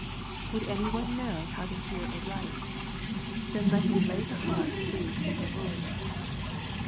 Would any one know how to hear aright ? Then let him lay to heart three simple rules.